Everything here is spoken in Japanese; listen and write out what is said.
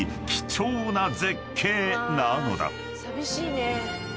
寂しいね。